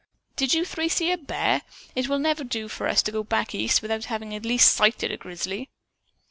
"Did you three see a bear? It never will do for us to go back East without having at least sighted a grizzly."